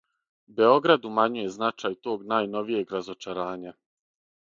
Београд умањује значај тог најновијег разочарања.